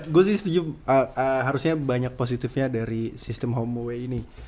gue sih setuju harusnya banyak positifnya dari sistem homeaway ini